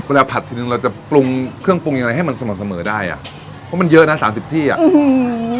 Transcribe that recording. ผัดทีนึงเราจะปรุงเครื่องปรุงอะไรให้มันเสมอเสมอได้อ่ะเพราะมันเยอะนะสามสิบที่อ่ะอืม